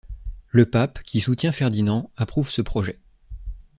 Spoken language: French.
Le pape, qui soutient Ferdinand, approuve ce projet.